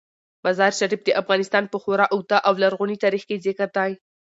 مزارشریف د افغانستان په خورا اوږده او لرغوني تاریخ کې ذکر دی.